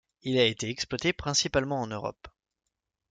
Il a été exploité principalement en Europe.